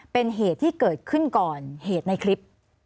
เป็นเหตุที่เกิดขึ้นก่อนเหตุในคลิป